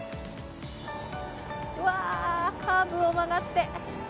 うわー、カーブを曲がって。